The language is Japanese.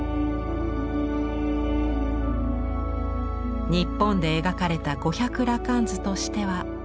日本で描かれた「五百羅漢図」としては最古級。